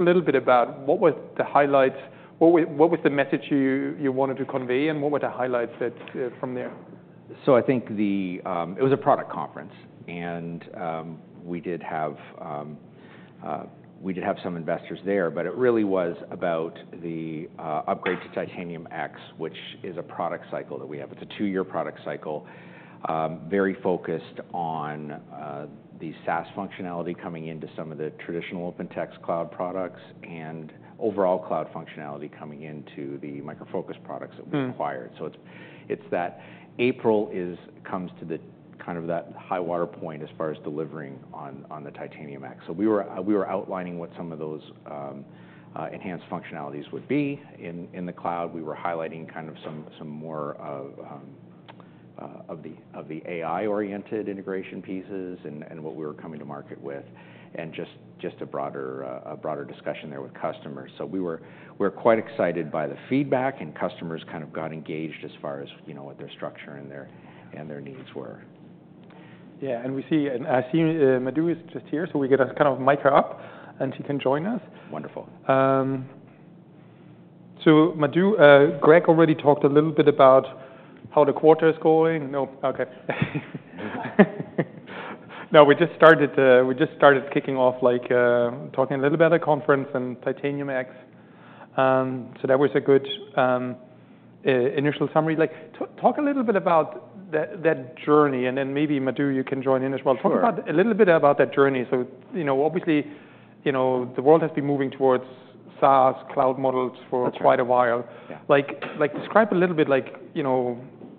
A little bit about what were the highlights, what was the message you wanted to convey, and what were the highlights from there? I think it was a product conference, and we did have some investors there, but it really was about the upgrade to Titanium X, which is a product cycle that we have. It's a two-year product cycle, very focused on the SaaS functionality coming into some of the traditional OpenText cloud products and overall cloud functionality coming into the Micro Focus products that we acquired. So it's that April comes to kind of that high water point as far as delivering on the Titanium X. So we were outlining what some of those enhanced functionalities would be in the cloud. We were highlighting kind of some more of the AI-oriented integration pieces and what we were coming to market with, and just a broader discussion there with customers. We were quite excited by the feedback, and customers kind of got engaged as far as what their structure and their needs were. Yeah, and we see Madhu is just here, so we kind of mic her up, and she can join us. Wonderful. So Madhu, Greg already talked a little bit about how the quarter is going. No, OK. No, we just started kicking off talking a little bit about the conference and Titanium X. So that was a good initial summary. Talk a little bit about that journey, and then maybe Madhu, you can join in as well. Talk a little bit about that journey. So obviously, the world has been moving towards SaaS cloud models for quite a while. Describe a little bit like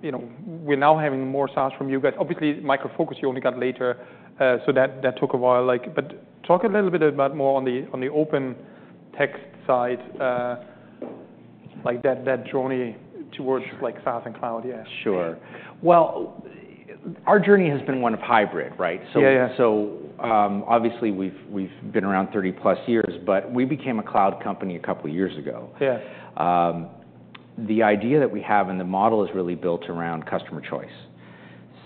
we're now having more SaaS from you guys. Obviously, Micro Focus you only got later, so that took a while. But talk a little bit about more on the OpenText side, that journey towards SaaS and cloud. Sure. Well, our journey has been one of hybrid, right? So obviously, we've been around 30-plus years, but we became a cloud company a couple of years ago. The idea that we have and the model is really built around customer choice.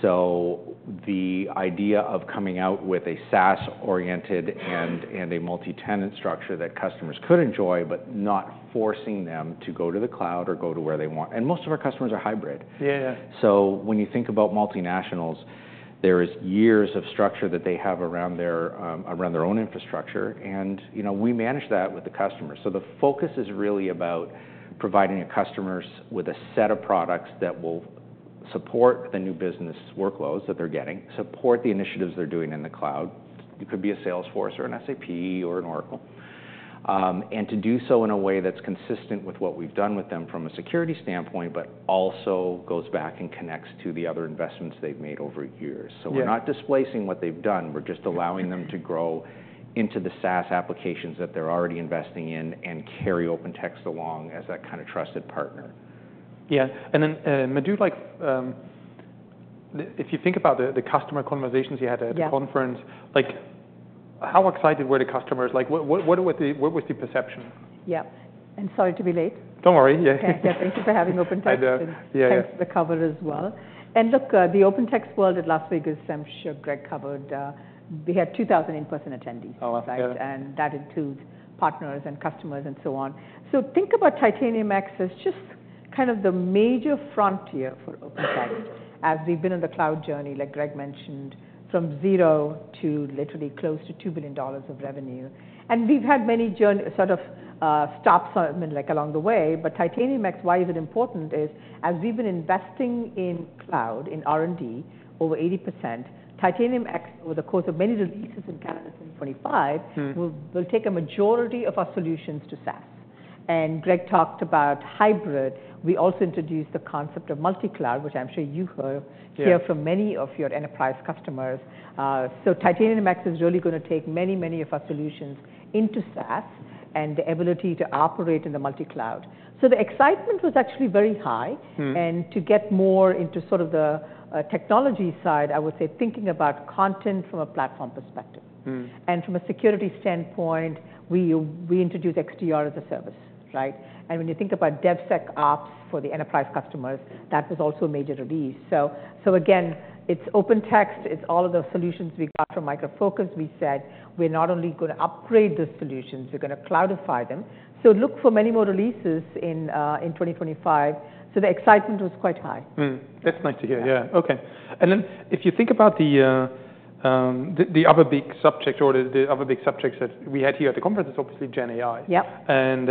So the idea of coming out with a SaaS-oriented and a multi-tenant structure that customers could enjoy, but not forcing them to go to the cloud or go to where they want. And most of our customers are hybrid. So when you think about multinationals, there are years of structure that they have around their own infrastructure, and we manage that with the customers. So the focus is really about providing customers with a set of products that will support the new business workloads that they're getting, support the initiatives they're doing in the cloud. It could be a Salesforce or an SAP or an Oracle, and to do so in a way that's consistent with what we've done with them from a security standpoint, but also goes back and connects to the other investments they've made over years. So we're not displacing what they've done. We're just allowing them to grow into the SaaS applications that they're already investing in and carry OpenText along as that kind of trusted partner. Yeah. And then Madhu, if you think about the customer conversations you had at the conference, how excited were the customers? What was the perception? Yeah. I'm sorry to be late. Don't worry. Thank you for having OpenText and thanks for the cover as well. And look, the OpenText World at Las Vegas, I'm sure Greg covered, we had 2,000 in-person attendees, and that includes partners and customers and so on. So think about Titanium X as just kind of the major frontier for OpenText as we've been on the cloud journey, like Greg mentioned, from zero to literally close to $2 billion of revenue. And we've had many sort of stop signals along the way, but Titanium X, why is it important is as we've been investing in cloud, in R&D, over 80%, Titanium X, with the course of many releases in 2025, will take a majority of our solutions to SaaS. And Greg talked about hybrid. We also introduced the concept of multi-cloud, which I'm sure you heard from many of your enterprise customers. So Titanium X is really going to take many, many of our solutions into SaaS and the ability to operate in the multi-cloud. So the excitement was actually very high. And to get more into sort of the technology side, I would say thinking about content from a platform perspective. And from a security standpoint, we introduced XDR as a Service, right? And when you think about DevSecOps for the enterprise customers, that was also a major release. So again, it's OpenText. It's all of the solutions we got from Micro Focus. We said we're not only going to upgrade the solutions, we're going to cloudify them. So look for many more releases in 2025. So the excitement was quite high. That's nice to hear. Yeah, OK, and then if you think about the other big subject or the other big subjects that we had here at the conference, it's obviously Gen AI. Yeah. And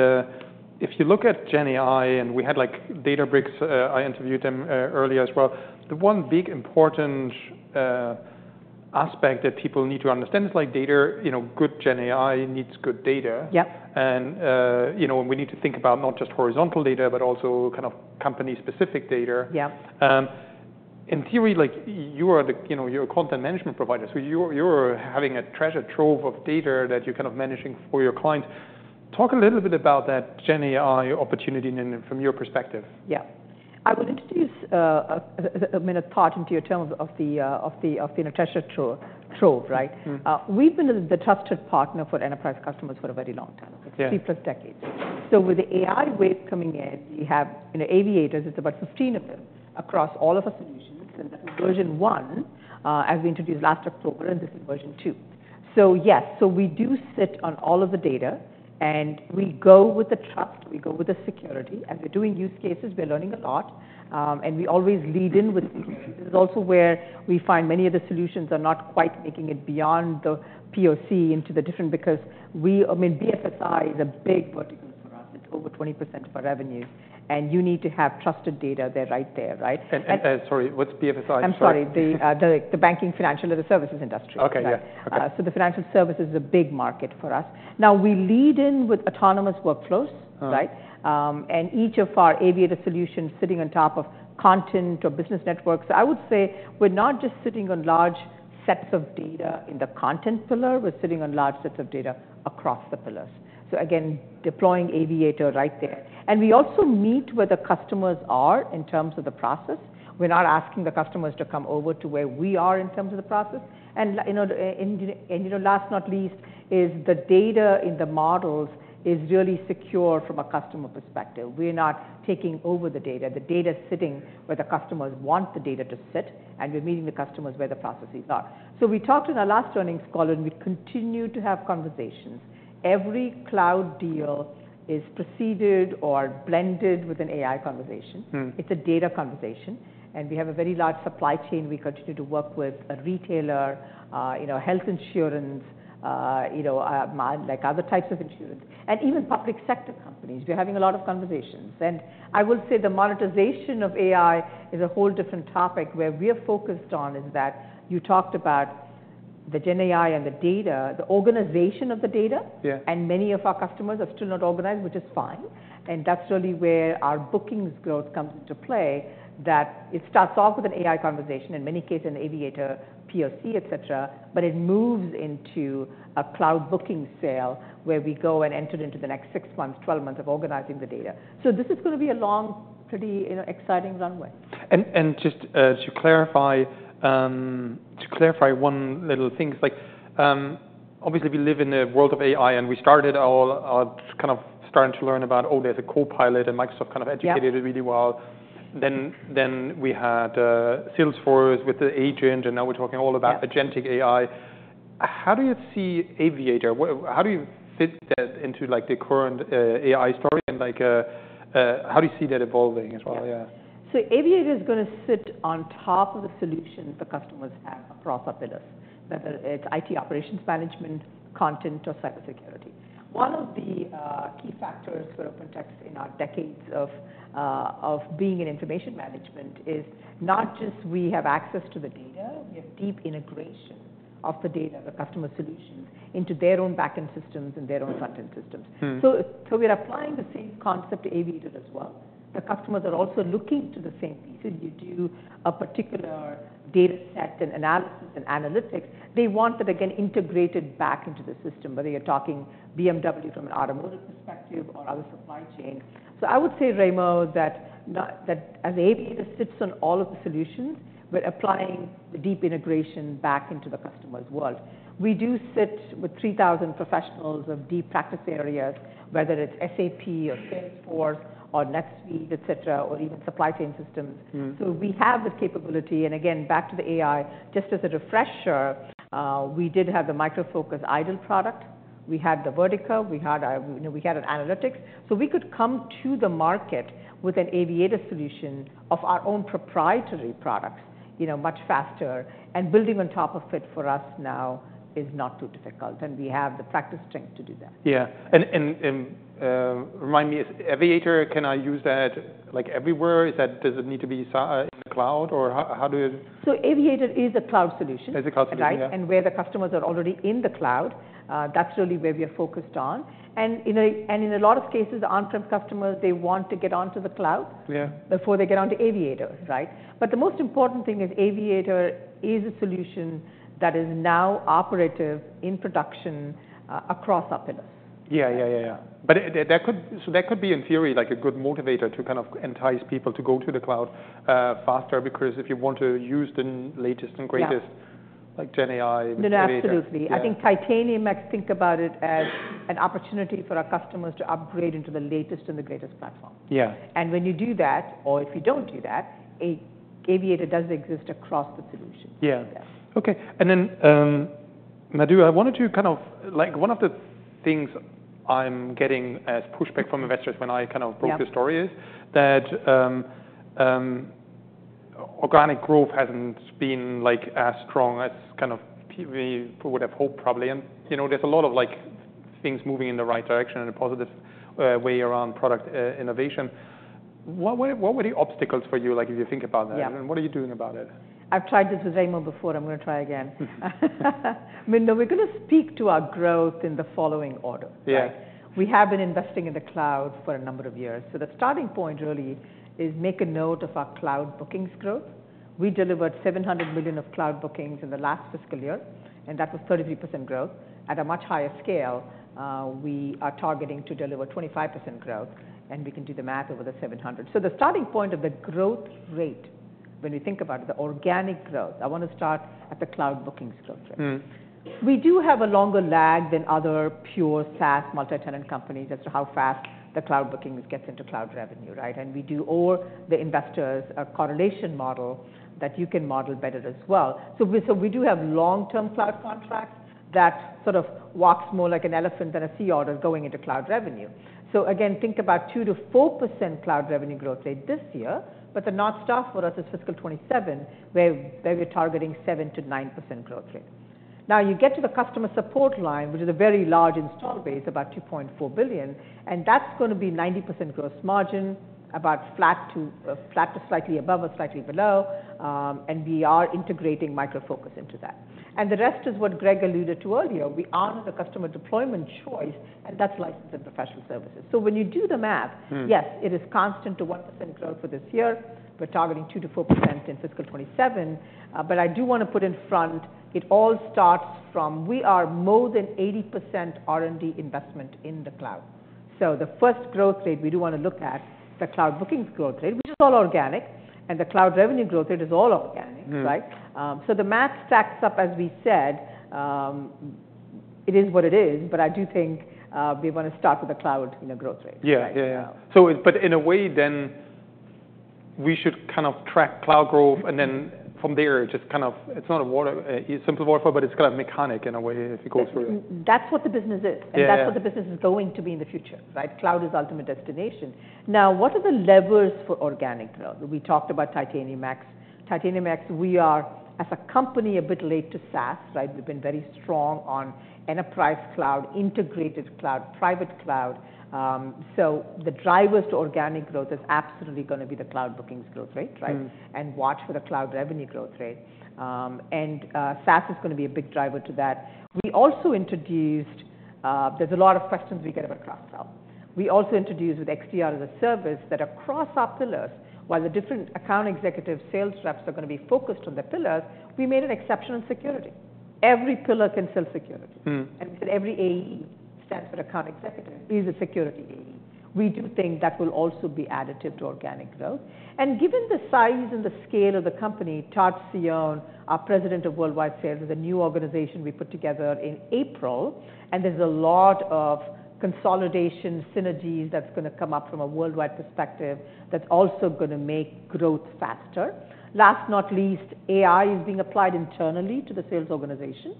if you look at Gen AI, and we had Databricks, I interviewed them earlier as well. The one big important aspect that people need to understand is like good Gen AI needs good data. Yeah. And we need to think about not just horizontal data, but also kind of company-specific data. Yeah. In theory, you're a content management provider, so you're having a treasure trove of data that you're kind of managing for your clients. Talk a little bit about that Gen AI opportunity from your perspective. Yeah. I would introduce a minute part into your terms of the treasure trove, right? We've been the trusted partner for enterprise customers for a very long time, 3+ decades. So with the AI wave coming in, we have Aviators, it's about 15 of them, across all of our solutions. And that's version one as we introduced last October, and this is version two. So yes, so we do sit on all of the data, and we go with the trust, we go with the security, and we're doing use cases. We're learning a lot, and we always lead in with solutions. This is also where we find many of the solutions are not quite making it beyond the POC into the different because BFSI is a big vertical for us. It's over 20% of our revenues, and you need to have trusted data there right there, right? Sorry, what's BFSI? I'm sorry, the Banking Financial Services Industry. So the financial services is a big market for us. Now we lead in with autonomous workflows, right? And each of our Aviator solutions sitting on top of Content or Business Networks. So I would say we're not just sitting on large sets of data in the Content pillar. We're sitting on large sets of data across the pillars. So again, deploying Aviator right there. And we also meet where the customers are in terms of the process. We're not asking the customers to come over to where we are in terms of the process. And last but not least, is the data in the models is really secure from a customer perspective. We're not taking over the data. The data is sitting where the customers want the data to sit, and we're meeting the customers where the process is not. So we talked in our last earnings call, and we continue to have conversations. Every cloud deal is preceded or blended with an AI conversation. It's a data conversation. And we have a very large supply chain. We continue to work with a retailer, health insurance, like other types of insurance, and even public sector companies. We're having a lot of conversations. And I will say the monetization of AI is a whole different topic where we are focused on is that you talked about the Gen AI and the data, the organization of the data, and many of our customers are still not organized, which is fine. That's really where our bookings growth comes into play, that it starts off with an AI conversation, in many cases an Aviator POC, et cetera, et cetera, but it moves into a cloud booking sale where we go and enter into the next six months, 12 months of organizing the data. This is going to be a long, pretty exciting runway. And just to clarify one little thing, obviously we live in a world of AI, and we started kind of starting to learn about, oh, there's a Copilot, and Microsoft kind of educated it really well. Then we had Salesforce with the agent, and now we're talking all about Agentic AI. How do you see Aviator? How do you fit that into the current AI story, and how do you see that evolving as well? Yeah. So Aviator is going to sit on top of the solutions the customers have across our pillars, whether it's IT operations management, content, or cybersecurity. One of the key factors for OpenText in our decades of being in information management is not just we have access to the data, we have deep integration of the data, the customer solutions into their own backend systems and their own frontend systems. So we're applying the same concept to Aviator as well. The customers are also looking to the same pieces. You do a particular data set and analysis and analytics. They want that, again, integrated back into the system, whether you're talking BMW from an automotive perspective or other supply chains. So I would say, Remo, that as Aviator sits on all of the solutions, we're applying the deep integration back into the customer's world. We do sit with 3,000 professionals of deep practice areas, whether it's SAP or Salesforce or NetSuite, et cetera, or even supply chain systems. So we have the capability. And again, back to the AI, just as a refresher, we did have the Micro Focus IDOL product. We had the vertical. We had analytics. So we could come to the market with an Aviator solution of our own proprietary products much faster. And building on top of it for us now is not too difficult, and we have the practice strength to do that. Yeah, and remind me, Aviator, can I use that everywhere? Does it need to be in the cloud, or how do you? Aviator is a cloud solution. It's a cloud solution, right? And where the customers are already in the cloud, that's really where we are focused on. And in a lot of cases, on-prem customers, they want to get onto the cloud before they get onto Aviator, right? But the most important thing is Aviator is a solution that is now operative in production across our pillars. But that could be, in theory, like a good motivator to kind of entice people to go to the cloud faster because if you want to use the latest and greatest, like Gen AI, which is Aviator. Absolutely. I think Titanium X, think about it as an opportunity for our customers to upgrade into the latest and the greatest platform. Yeah. And when you do that, or if you don't do that, Aviator does exist across the solution. Yeah. OK. And then, Madhu, I wanted to kind of like one of the things I'm getting as pushback from investors when I kind of broke the story is that organic growth hasn't been as strong as kind of we would have hoped, probably. And there's a lot of things moving in the right direction and a positive way around product innovation. What were the obstacles for you if you think about that? And what are you doing about it? I've tried this with Remo before. I'm going to try again. I mean, we're going to speak to our growth in the following order. Yeah. We have been investing in the cloud for a number of years. So the starting point really is make a note of our cloud bookings growth. We delivered $700 million of cloud bookings in the last fiscal year, and that was 33% growth. At a much higher scale, we are targeting to deliver 25% growth, and we can do the math over the 700. So the starting point of the growth rate, when we think about the organic growth, I want to start at the cloud bookings growth rate. We do have a longer lag than other pure SaaS multi-tenant companies as to how fast the cloud bookings gets into cloud revenue, right? And we do owe the investors a correlation model that you can model better as well. So we do have long-term cloud contracts that sort of walk more like an elephant than a sea otter going into cloud revenue. So again, think about 2%-4% cloud revenue growth rate this year, but the North Star for us is fiscal 2027, where we're targeting 7%-9% growth rate. Now you get to the customer support line, which is a very large install base, about $2.4 billion, and that's going to be 90% gross margin, about flat to slightly above or slightly below, and we are integrating Micro Focus into that. And the rest is what Greg alluded to earlier. We honor the customer deployment choice, and that's licensed and professional services. So when you do the math, Yes. It is constant to 1% growth for this year. We're targeting 2%-4% in fiscal 2027. But I do want to put in front, it all starts from we are more than 80% R&D investment in the cloud. So the first growth rate we do want to look at, the cloud bookings growth rate, which is all organic, and the cloud revenue growth rate is all organic, right? So the math stacks up, as we said, it is what it is, but I do think we want to start with the cloud growth rate. Yeah, yeah, yeah. But in a way, then we should kind of track cloud growth, and then from there, just kind of it's not a simple word for, but it's kind of mechanics in a way if it goes through. That's what the business is, and that's what the business is going to be in the future, right? Cloud is the ultimate destination. Now, what are the levers for organic growth? We talked about Titanium X. Titanium X, we are as a company a bit late to SaaS, right? We've been very strong on enterprise cloud, integrated cloud, private cloud. So the drivers to organic growth is absolutely going to be the cloud bookings growth rate, right? And watch for the cloud revenue growth rate. And SaaS is going to be a big driver to that. We also introduced. There's a lot of questions we get about cloud. We also introduced with XDR as a service that across our pillars, while the different account executive sales reps are going to be focused on the pillars, we made an exception on security. Every pillar can sell security. And every AE stands for account executive, is a security AE. We do think that will also be additive to organic growth. And given the size and the scale of the company, Todd Cione, our President of Worldwide Sales, is a new organization we put together in April, and there's a lot of consolidation synergies that's going to come up from a worldwide perspective that's also going to make growth faster. Last but not least, AI is being applied internally to the sales organization,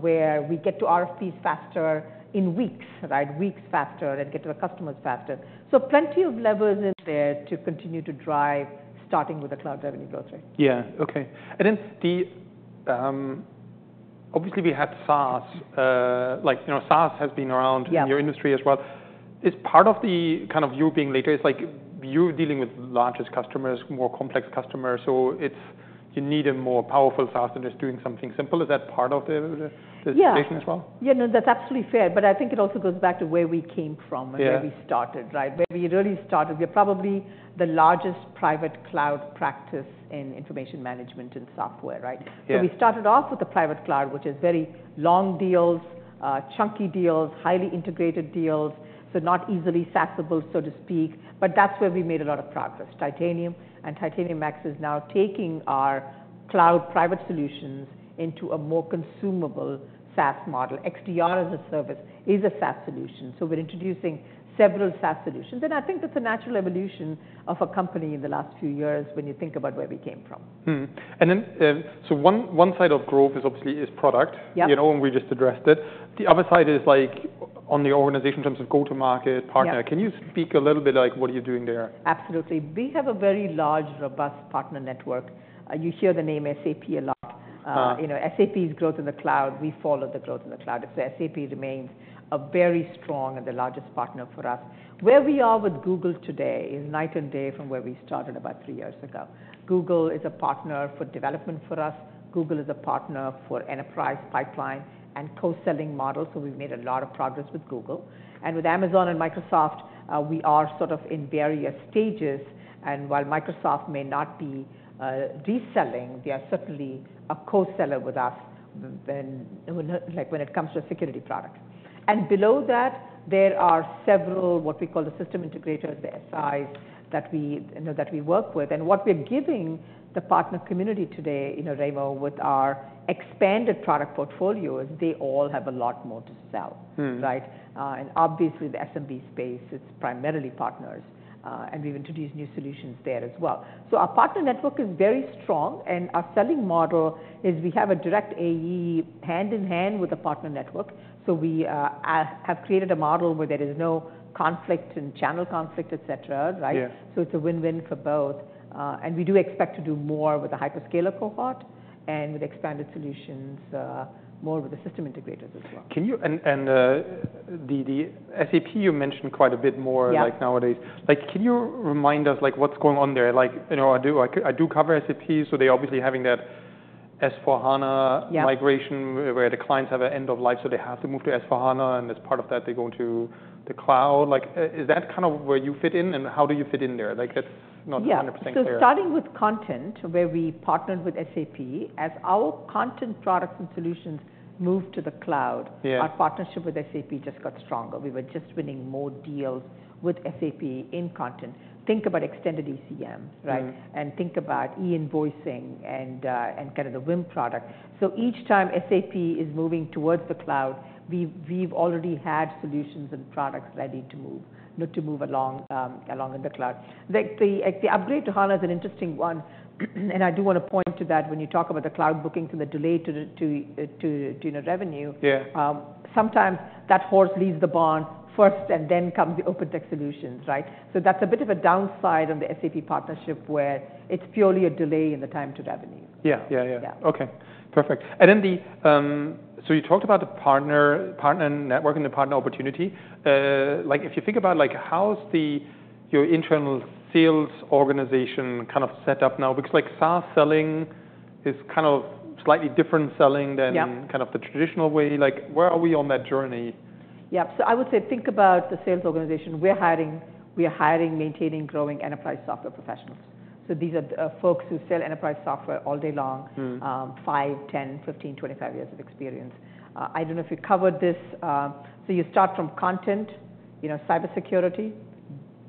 where we get to RFPs faster in weeks, right? Weeks faster and get to the customers faster. So plenty of levers in there to continue to drive, starting with the cloud revenue growth rate. Yeah, OK, and then obviously we had SaaS. SaaS has been around in your industry as well. Is part of the kind of you being later, it's like you're dealing with largest customers, more complex customers, so you need a more powerful SaaS than just doing something simple. Is that part of the situation as well? Yeah. Yeah, no, that's absolutely fair. But I think it also goes back to where we came from and where we started, right? Where we really started, we're probably the largest private cloud practice in information management and software, right? So we started off with the private cloud, which is very long deals, chunky deals, highly integrated deals, so not easily SaaSable, so to speak. But that's where we made a lot of progress. Titanium and Titanium X is now taking our private cloud solutions into a more consumable SaaS model. XDR as a Service is a SaaS solution. So we're introducing several SaaS solutions. And I think that's a natural evolution of a company in the last few years when you think about where we came from. And then, so one side of growth is obviously product, and we just addressed it. The other side is like on the organization in terms of go-to-market partner. Can you speak a little bit like what are you doing there? Absolutely. We have a very large, robust partner network. You hear the name SAP a lot. SAP's growth in the cloud, we follow the growth in the cloud. So SAP remains a very strong and the largest partner for us. Where we are with Google today is night and day from where we started about three years ago. Google is a partner for development for us. Google is a partner for enterprise pipeline and co-selling models. So we've made a lot of progress with Google, and with Amazon and Microsoft, we are sort of in various stages, and while Microsoft may not be reselling, they are certainly a co-seller with us when it comes to a security product, and below that, there are several what we call the system integrators, the SIs that we work with. And what we're giving the partner community today, Remo, with our expanded product portfolio is they all have a lot more to sell, right? And obviously, the SMB space, it's primarily partners, and we've introduced new solutions there as well. So our partner network is very strong, and our selling model is we have a direct AE hand in hand with the partner network. So we have created a model where there is no conflict and channel conflict, et cetera, right? So it's a win-win for both. And we do expect to do more with the hyperscaler cohort and with expanded solutions, more with the system integrators as well. And the SAP you mentioned quite a bit more nowadays. Can you remind us what's going on there? I do cover SAP, so they're obviously having that S/4HANA migration where the clients have an end of life, so they have to move to S/4HANA, and as part of that, they go to the cloud. Is that kind of where you fit in, and how do you fit in there? That's not 100% clear. Starting with content, where we partnered with SAP, as our content products and solutions moved to the cloud, our partnership with SAP just got stronger. We were just winning more deals with SAP in content. Think about extended ECM, right? And think about e-invoicing and kind of the VIM product. Each time SAP is moving towards the cloud, we've already had solutions and products ready to move, to move along in the cloud. The upgrade to HANA is an interesting one, and I do want to point to that when you talk about the cloud bookings and the delay to revenue. Sometimes that horse leads the barn first, and then comes the OpenText solutions, right? That's a bit of a downside on the SAP partnership where it's purely a delay in the time to revenue. Yeah, yeah, yeah. OK, perfect. And then so you talked about the partner network and the partner opportunity. If you think about how's your internal sales organization kind of set up now, because SaaS selling is kind of slightly different selling than kind of the traditional way, where are we on that journey? Yeah, so I would say think about the sales organization. We're hiring, maintaining, growing enterprise software professionals. So these are folks who sell enterprise software all day long, 5, 10, 15, 25 years of experience. I don't know if we covered this. So you start from content, cybersecurity,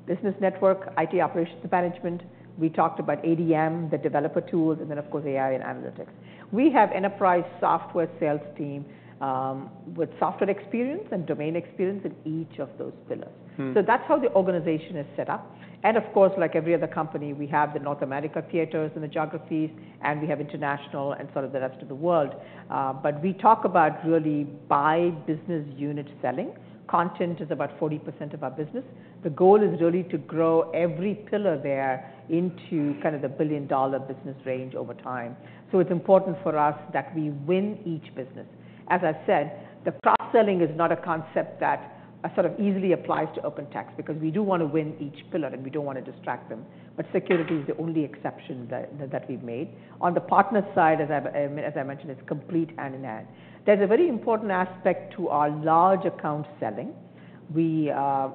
business network, IT operations management. We talked about ADM, the developer tools, and then, of course, AI and analytics. We have enterprise software sales team with software experience and domain experience in each of those pillars. So that's how the organization is set up. And of course, like every other company, we have the North America theaters and the geographies, and we have international and sort of the rest of the world. But we talk about really by business unit selling. Content is about 40% of our business. The goal is really to grow every pillar there into kind of the billion-dollar business range over time. So it's important for us that we win each business. As I said, the cross-selling is not a concept that sort of easily applies to OpenText because we do want to win each pillar, and we don't want to distract them. But security is the only exception that we've made. On the partner side, as I mentioned, it's complete and integrated. There's a very important aspect to our large account selling. Our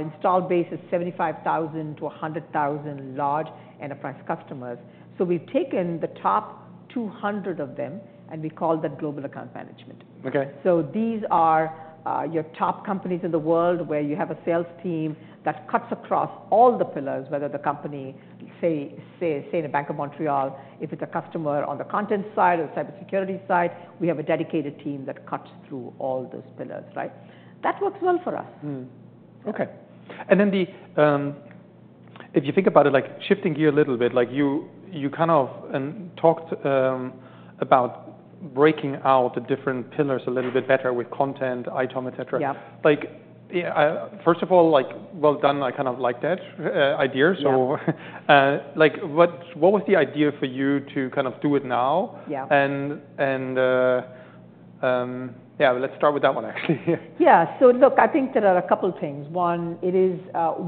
installed base is 75,000-100,000 large enterprise customers. So we've taken the top 200 of them, and we call that global account management. So these are your top companies in the world where you have a sales team that cuts across all the pillars, whether the company, say, in the Bank of Montreal, if it's a customer on the content side or the cybersecurity side, we have a dedicated team that cuts through all those pillars, right? That works well for us. OK. And then if you think about it, shifting gear a little bit, you kind of talked about breaking out the different pillars a little bit better with content, ITOM, et cetera. First of all, well done. I kind of like that idea. So what was the idea for you to kind of do it now? And yeah, let's start with that one, actually. Yeah, so look, I think there are a couple of things. One,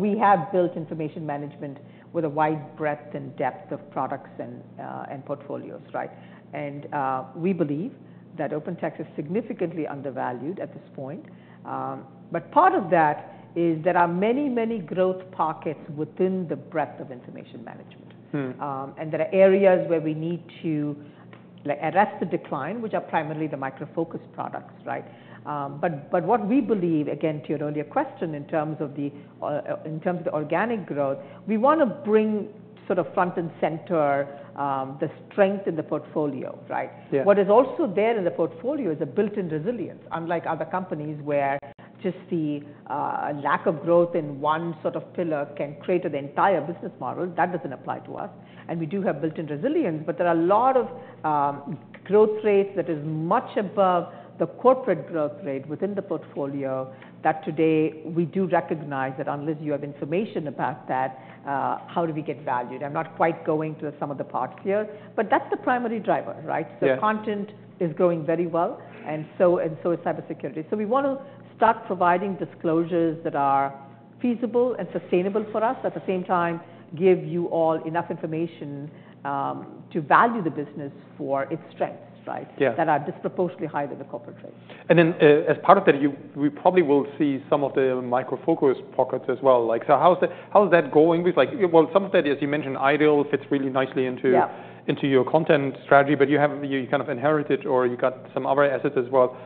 we have built information management with a wide breadth and depth of products and portfolios, right, and we believe that OpenText is significantly undervalued at this point. But part of that is there are many, many growth pockets within the breadth of information management, and there are areas where we need to arrest the decline, which are primarily the Micro Focus products, right, but what we believe, again, to your earlier question, in terms of the organic growth, we want to bring sort of front and center the strength in the portfolio, right? What is also there in the portfolio is a built-in resilience, unlike other companies where just the lack of growth in one sort of pillar can create an entire business model. That doesn't apply to us. We do have built-in resilience, but there are a lot of growth rates that are much above the corporate growth rate within the portfolio. Today we do recognize that unless you have information about that, how do we get valued? I'm not quite going to some of the parts here, but that's the primary driver, right? Content is growing very well, and so is cybersecurity. We want to start providing disclosures that are feasible and sustainable for us, at the same time give you all enough information to value the business for its strengths, right? That are disproportionately higher than the corporate rate. And then as part of that, we probably will see some of the Micro Focus pockets as well. So how is that going? Well, some of that, as you mentioned, IDOL fits really nicely into your content strategy, but you kind of inherited or you got some other assets as well.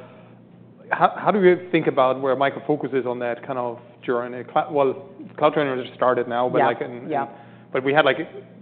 How do you think about where Micro Focus is on that kind of journey? Well, cloud trend has just started now, but we had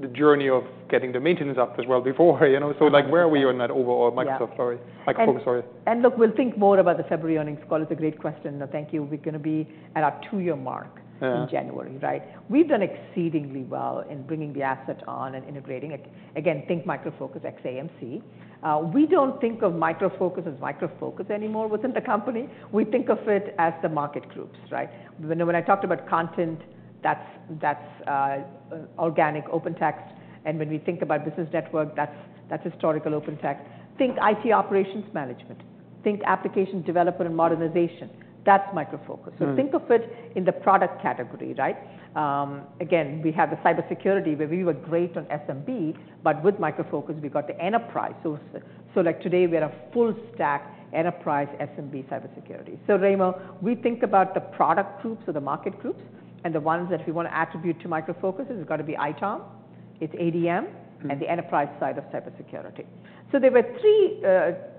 the journey of getting the maintenance up as well before. So where were you on that overall Micro Focus story? Look, we'll think more about the February earnings call. It's a great question. Thank you. We're going to be at our two-year mark in January, right? We've done exceedingly well in bringing the asset on and integrating. Again, think Micro Focus ex-AMC. We don't think of Micro Focus as Micro Focus anymore within the company. We think of it as the market groups, right? When I talked about content, that's organic OpenText. And when we think about business network, that's historical OpenText. Think IT operations management. Think application development and modernization. That's Micro Focus. So think of it in the product category, right? Again, we have the cybersecurity where we were great on SMB, but with Micro Focus, we got the enterprise. So today we are a full-stack enterprise SMB cybersecurity. So Remo, we think about the product groups or the market groups, and the ones that we want to attribute to Micro Focus is going to be ITOM, it's ADM, and the enterprise side of cybersecurity. So there were three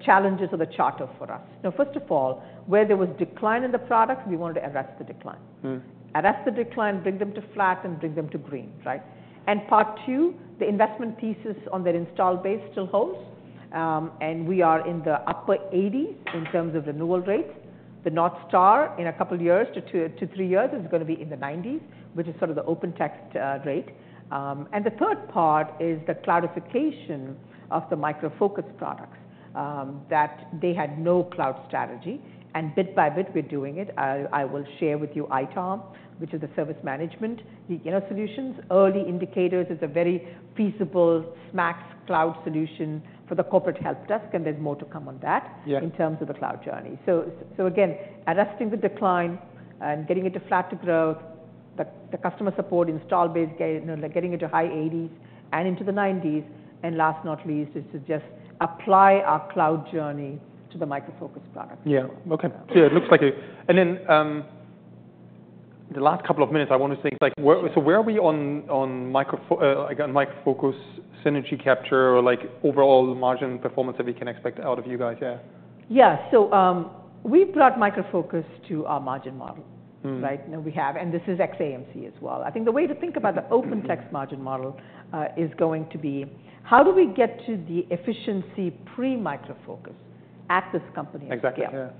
challenges of the charter for us. Now, first of all, where there was decline in the product, we wanted to arrest the decline. Arrest the decline, bring them to flat, and bring them to green, right? And part two, the investment thesis on the installed base still holds. And we are in the upper 80s in terms of renewal rates. The North Star in a couple of years to three years is going to be in the 90s, which is sort of the OpenText rate. And the third part is the clarification of the Micro Focus products that they had no cloud strategy. And bit by bit, we're doing it. I will share with you ITOM, which is the service management solutions. Early indicators is a very feasible SMAX cloud solution for the corporate help desk, and there's more to come on that in terms of the cloud journey. So again, arresting the decline and getting it to flat to growth, the customer support install base, getting it to high 80s and into the 90s. And last but not least, is to just apply our cloud journey to the Micro Focus products. Yeah, OK. So it looks like and then the last couple of minutes, I want to think, so where are we on Micro Focus synergy capture or overall margin performance that we can expect out of you guys? Yeah. Yeah, so we brought Micro Focus to our margin model, right? We have, and this is ex-AMC as well. I think the way to think about the OpenText's margin model is going to be how do we get to the efficiency pre-Micro Focus at this company scale.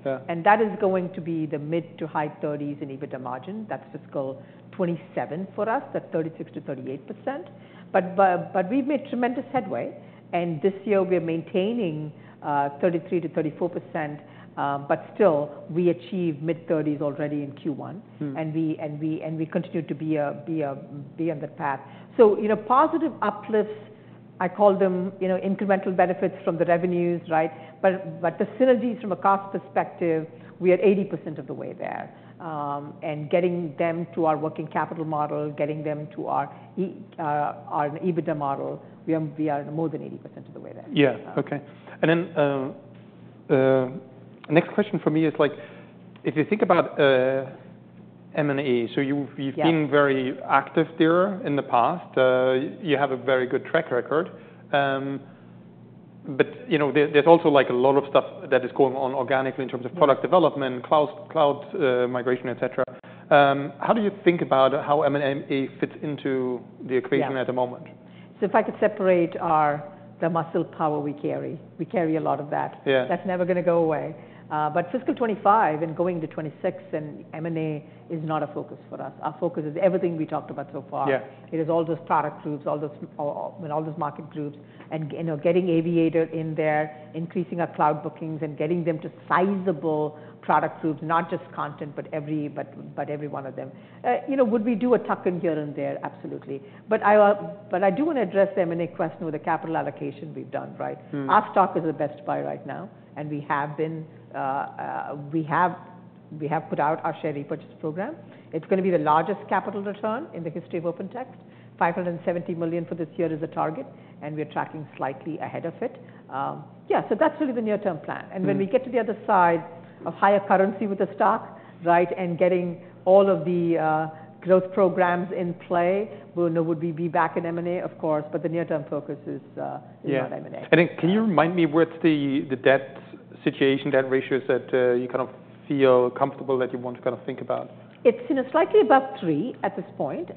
That is going to be the mid- to high-30s in EBITDA margin. That's fiscal 2027 for us, that 36%-38%. We've made tremendous headway. This year we're maintaining 33%-34%, but still we achieve mid-30s already in Q1. We continue to be on that path. Positive uplifts, I call them incremental benefits from the revenues, right? The synergies from a cost perspective, we are 80% of the way there. Getting them to our working capital model, getting them to our EBITDA model, we are more than 80% of the way there. Yeah, OK. And then the next question for me is, if you think about M&A, so you've been very active there in the past. You have a very good track record. But there's also a lot of stuff that is going on organically in terms of product development, cloud migration, et cetera. How do you think about how M&A fits into the equation at the moment? So if I could separate the muscle power we carry, we carry a lot of that. That's never going to go away. But fiscal 2025 and going to 2026, M&A is not a focus for us. Our focus is everything we talked about so far. It is all those product groups, all those market groups, and getting Aviator in there, increasing our cloud bookings, and getting them to sizable product groups, not just content, but every one of them. Would we do a tuck in here and there? Absolutely. But I do want to address the M&A question with the capital allocation we've done, right? Our stock is the best buy right now. And we have put out our share repurchase program. It's going to be the largest capital return in the history of OpenText. $570 million for this year is the target. We're tracking slightly ahead of it. Yeah, so that's really the near-term plan. When we get to the other side of higher currency with the stock, right, and getting all of the growth programs in play, would we be back in M&A? Of course, but the near-term focus is not M&A. Can you remind me what's the debt situation, debt ratios that you kind of feel comfortable that you want to kind of think about? It's slightly above 3 at this point.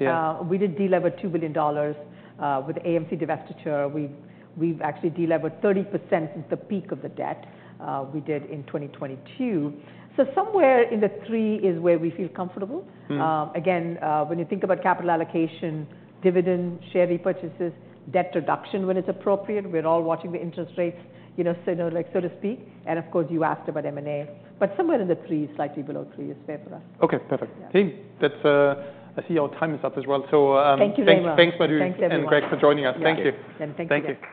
We did deliver $2 billion with AMC divestiture. We've actually delivered 30% since the peak of the debt we did in 2022. So somewhere in the 3 is where we feel comfortable. Again, when you think about capital allocation, dividend, share repurchases, debt reduction when it's appropriate. We're all watching the interest rates, so to speak, and of course, you asked about M&A, but somewhere in the 3, slightly below 3 is fair for us. OK, perfect. I think I see our time is up as well. Thank you very much. Thanks, Madhu and Greg for joining us. Thank you.